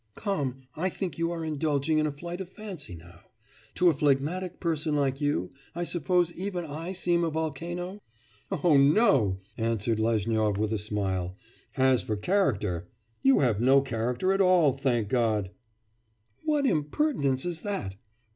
'Come! I think you are indulging in a flight of fancy now. To a phlegmatic person like you, I suppose even I seem a volcano?' 'Oh, no!' answered Lezhnyov, with a smile. 'And as for character you have no character at all, thank God!' 'What impertinence is that?